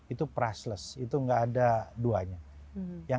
itu priceless itu nggak ada duanya